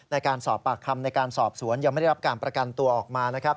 ในการสอบปากคำในการสอบสวนยังไม่ได้รับการประกันตัวออกมานะครับ